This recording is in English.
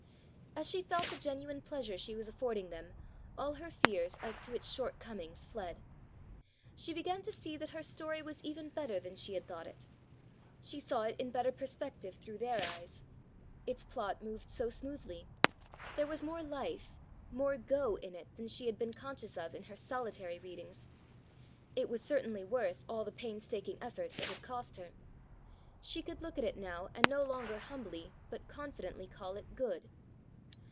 As she felt the genuine pleasure she was affording them, all her fears as to its short comings fled. She began to see that her story was even better than she had thought it. She saw it in better perspective through their eyes. Its plot moved so smoothly. There was more life, more go in it than she had been conscious of in her solitary readings. It was certainly worth all the painstaking effort it had cost her. She could look at it now and no longer humbly, but confidently call it good.